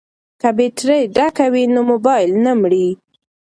که بیټرۍ ډکه وي نو مبایل نه مري.